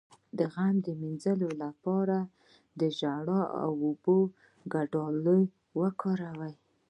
د غم د مینځلو لپاره د ژړا او اوبو ګډول وکاروئ